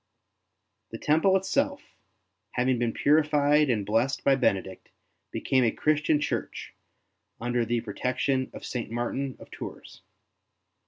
The temple itself, having been purified and blessed by Benedict, became a Christian church under the pro tection of St. Martin of Tours.